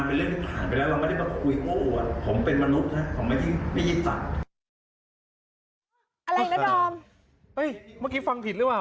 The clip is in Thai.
เมื่อกี้ฟังผิดหรือเปล่า